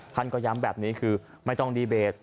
ท่านก็ย้ำแบบนี้คือไม่ต้องดีเบต